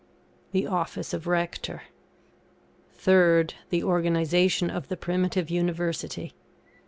THE OFFICE OF RECTOR. Third, the Organisation of the primitive University.